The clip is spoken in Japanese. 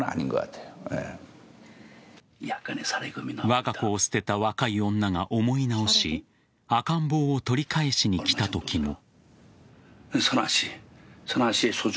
わが子を捨てた若い女が思い直し赤ん坊を取り返しに来たときも。